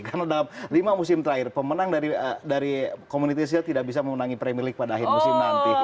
karena dalam lima musim terakhir pemenang dari community shield tidak bisa memenangi premier league pada akhir musim nanti